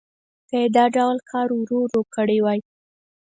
که یې دا ډول کار ورو ورو کړی وای.